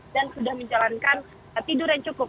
dan sudah menjalankan tidur yang cukup